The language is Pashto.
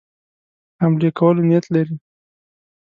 حملې کولو نیت لري.